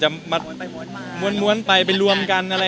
ม้วนไปม้วนไปไปรวมกันอะไรใช่ครับ